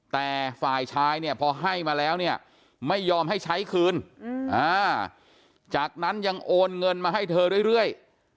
แต่ฝ่ายชายเนี่ยพอให้มาแล้วเนี่ยไม่ยอมให้ใช้คืนจากนั้นยังโอนเงินมาให้เธอเรื่อย